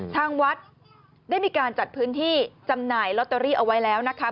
ทางวัดได้มีการจัดพื้นที่จำหน่ายลอตเตอรี่เอาไว้แล้วนะคะ